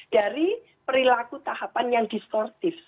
dari perilaku tahapan yang distortif